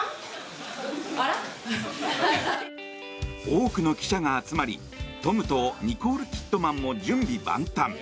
多くの記者が集まりトムとニコール・キッドマンも準備万端。